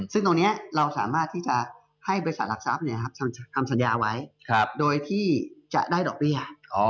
ซึ่งตรงนี้เราสามารถที่จะให้บริษัทหลักทรัพย์ทำสัญญาไว้โดยที่จะได้ดอกเบี้ย